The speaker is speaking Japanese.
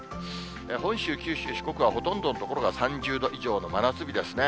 本州、九州、四国はほとんどの所が３０度以上の真夏日ですね。